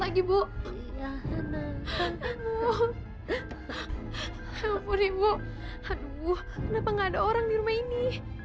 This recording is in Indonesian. lagi bu iya ibu ibu kenapa nggak ada orang di rumah ini